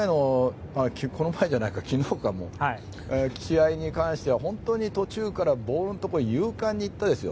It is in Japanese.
昨日の試合に関しては本当に途中からボールのところに勇敢に行ったんですよ。